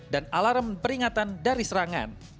dan alarm peringatan dari serangan